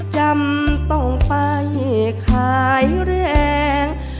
จำต้องไปขายแรง